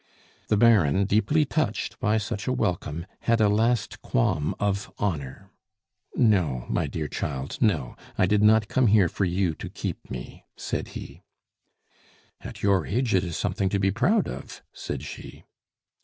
The Baron, deeply touched by such a welcome, had a last qualm of honor. "No, my dear child, no; I did not come here for you to keep me," said he. "At your age it is something to be proud of," said she.